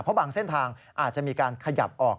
เพราะบางเส้นทางอาจจะมีการขยับออก